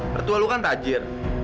pertua lu kan tajir